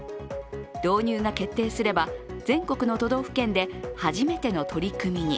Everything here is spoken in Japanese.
導入が決定すれば、全国の都道府県で初めての取り組みに。